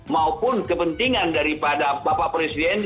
maupun kepentingan daripada bapak presiden